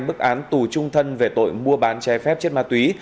mức án tù trung thân về tội mua bán trái phép chất ma túy